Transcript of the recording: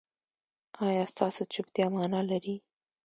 ایا ستاسو چوپتیا معنی لري؟